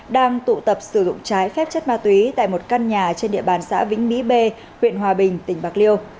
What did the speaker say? đang tụ tập sử dụng trái phép chất ma túy tại một căn nhà trên địa bàn xã vĩnh mỹ b huyện hòa bình tỉnh bạc liêu